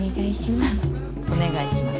お願いします。